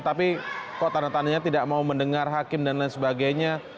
tapi kok tanda tandanya tidak mau mendengar hakim dan lain sebagainya